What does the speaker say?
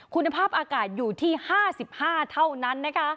คุณภาพอากาศอยู่ที่๕๕เท่านั้นนะคะ